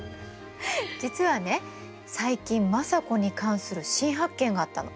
実はね最近政子に関する新発見があったの。